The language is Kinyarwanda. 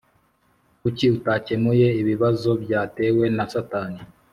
b Kuki atakemuye ibibazo byatewe na Satani